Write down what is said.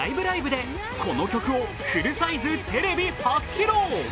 ライブ！」でこの曲をフルサイズテレビ初披露。